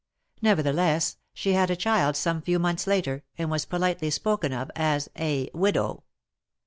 Never theless, she had a child some few months later, and was politely spoken of as a widow.